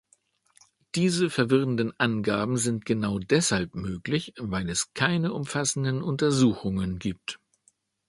Diese verwirrenden Angaben sind genau deshalb möglich, weil es keine umfassenden Untersuchungen gibt.